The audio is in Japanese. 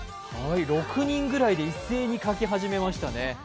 ６人ぐらいで一斉に書き始めましたね。